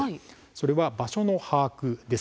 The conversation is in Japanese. それは、場所の把握です。